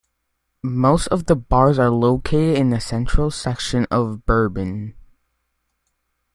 Most of the bars are located in the central section of Bourbon.